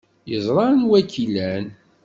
Yeẓra anwa ay k-ilan.